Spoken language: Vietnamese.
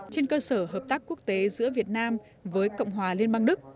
trên cơ sở hợp tác quốc tế giữa việt nam với cộng hòa liên bang đức